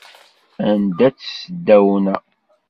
Anda-tt tdawna?